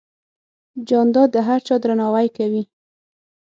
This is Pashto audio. جانداد د هر چا درناوی کوي.